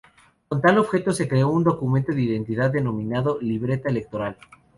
Con tal objeto, se creó un documento de identidad denominado libreta electoral.